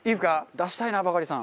出したいなバカリさん。